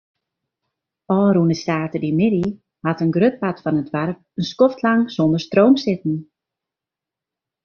Ofrûne saterdeitemiddei hat in grut part fan it doarp in skoftlang sonder stroom sitten.